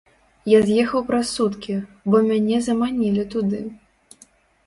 Я з'ехаў праз суткі, бо мяне заманілі туды.